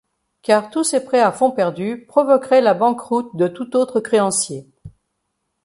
Car tous ces prêts à fonds perdus provoqueraient la banqueroute de tout autre créancier.